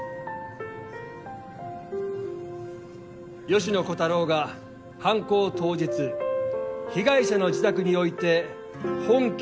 芳野小太郎が犯行当日被害者の自宅において本件